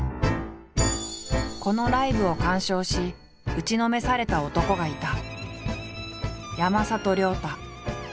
このライブを鑑賞し打ちのめされた男がいた。